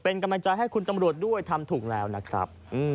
เป็นกำลังใจให้คุณตำรวจด้วยทำถูกแล้วนะครับ